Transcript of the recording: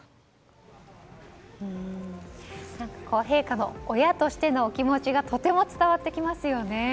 陛下の親としてのお気持ちがとても伝わってきますよね。